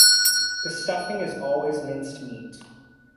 The stuffing is always minced meat.